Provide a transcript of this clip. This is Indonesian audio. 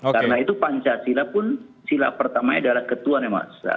karena itu pancasila pun silap pertama adalah ketua nemasa